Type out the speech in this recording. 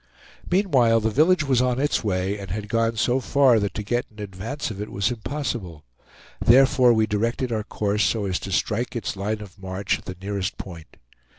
Meanwhile the village was on its way, and had gone so far that to get in advance of it was impossible. Therefore we directed our course so as to strike its line of march at the nearest point.